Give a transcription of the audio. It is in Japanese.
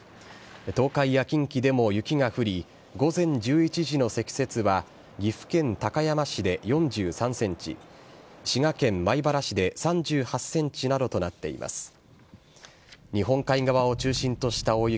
東海や近畿でも雪が降り、午前１１時の積雪は岐阜県高山市で４３センチ、滋賀県米原市で３８センチなどとなっています。